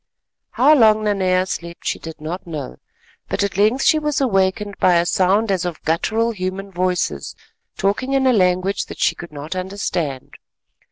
How long Nanea slept she did not know, but at length she was awakened by a sound as of guttural human voices talking in a language that she could not understand.